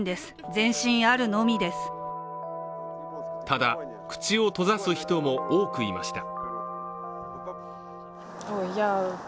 ただ、口を閉ざす人も多くいました。